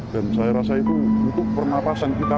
dan saya rasa itu untuk pernafasan kita